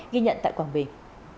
ghi nhận tại quảng bình